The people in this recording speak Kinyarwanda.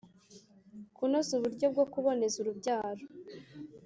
Kunoza uburyo bwo kuboneza urubyaro